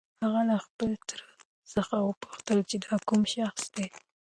هغه له خپل تره څخه وپوښتل چې دا کوم شخص دی؟